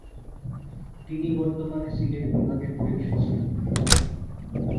তিনি বর্তমানে সিলেট বিভাগের হয়ে খেলছেন।